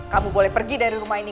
kamu boleh pergi dari rumah ini